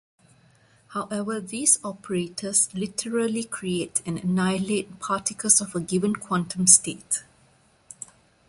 However, these operators literally create and annihilate particles of a given quantum state.